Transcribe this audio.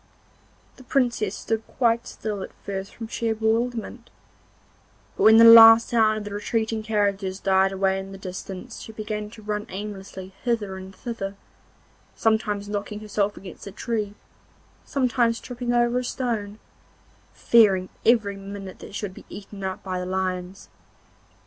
The Princess stood quite still at first from sheer bewilderment, but when the last sound of the retreating carriages died away in the distance she began to run aimlessly hither and thither, sometimes knocking herself against a tree, sometimes tripping over a stone, fearing every minute that she would be eaten up by the lions.